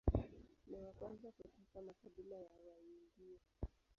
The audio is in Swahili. Ni wa kwanza kutoka makabila ya Waindio.